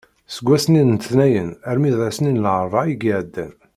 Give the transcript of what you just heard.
Seg wass-nni n letnayen armi d ass-nni n larebɛa i iɛeddan.